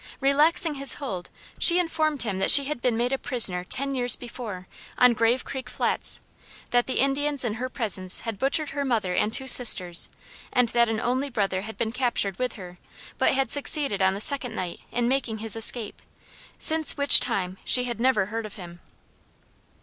Relaxing his hold she informed him that she had been made a prisoner ten years before, on Grave Creek Flats, that the Indians in her presence had butchered her mother and two sisters, and that an only brother had been captured with her, but had succeeded on the second night in making his escape, since which time she had never heard of him.